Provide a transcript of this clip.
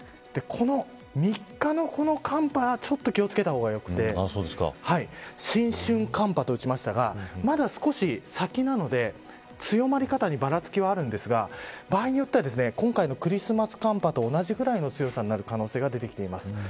３日のこの寒波はちょっと気を付けた方がよくて新春寒波と打ちましたがまだ少し先なので強まり方にばらつきはあるんですが場合によっては今回のクリスマス寒波と同じぐらいの強さになる可能性が出てきています。